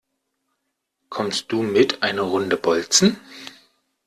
Kommst du mit eine Runde bolzen?